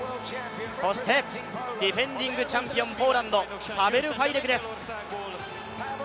そしてディフェンディングチャンピオン、ポーランド、パベル・ファイデクです。